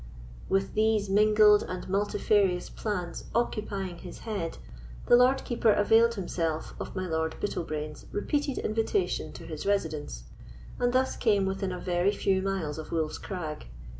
With these mingled and multifarious plans occupying his head, the Lord Keeper availed himself of my Lord Bittlebrains's repeated invitation to his residence, and thus came within a very few miles of Wolf's Crag.